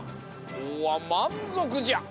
おうはまんぞくじゃ！